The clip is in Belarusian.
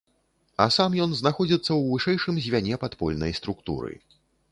А сам ён знаходзіцца ў вышэйшым звяне падпольнай структуры.